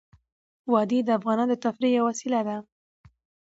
وادي د افغانانو د تفریح یوه وسیله ده.